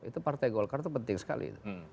itu partai golkar itu penting sekali